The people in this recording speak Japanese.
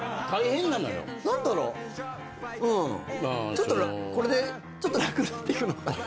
ちょっとこれでちょっと楽になっていく？